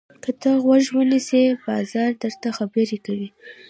که ته غوږ ونیسې، بازار درته خبرې کوي.